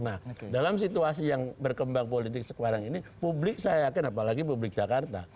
nah dalam situasi yang berkembang politik sekarang ini publik saya yakin apalagi publik jakarta